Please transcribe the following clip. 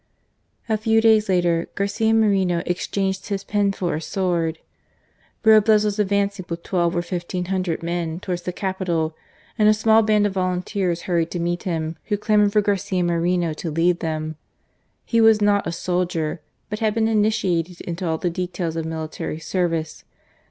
A few days later Garcia Moreno exchanged his pen for a sword. Roblez was advancing with twelve or fifteen hundred men towards the capital, and a small band of volunteers hurried to meet him who clamoured for Garcia Moreno to lead them. He was not a soldier, but had been initiated into all the details of military service.